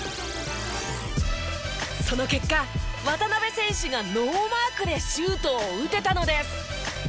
その結果渡邊選手がノーマークでシュートを打てたのです。